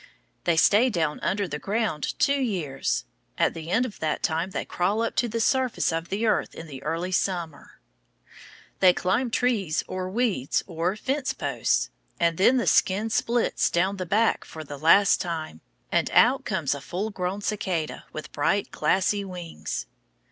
They stay down under the ground two years. At the end of that time they crawl up to the surface of the earth in the early summer. They climb trees, or weeds, or fence posts, and then the skin splits down the back for the last time, and out comes a full grown cicada with bright glassy wings.